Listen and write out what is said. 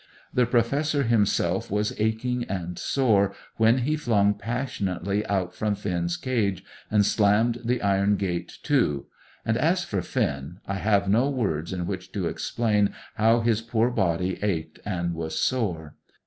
The Professor himself was aching and sore when he flung passionately out from Finn's cage and slammed the iron gate to; and as for Finn, I have no words in which to explain how his poor body ached and was sore.